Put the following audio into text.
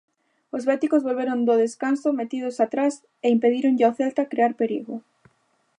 Os béticos volveron do descanso metidos atrás e impedíronlle ao Celta crear perigo.